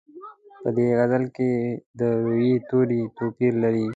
په دې غزل کې د روي توري توپیر لري.